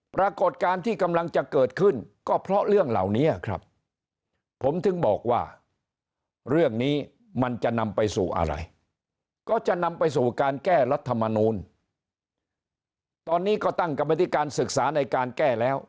ปรากฏการณ์ที่กำลังจะเกิดขึ้นก็เพราะเรื่องเหล่านี้ครับผมถึงบอกว่าเรื่องนี้มันจะนำไปสู่อะไรก็จะนำไปสู่การแก้รัฐมนูลตอนนี้ก็ตั้งกรรมธิการศึกษาในการแก้แล้ว